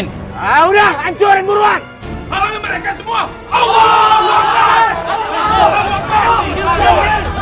saya akan membalas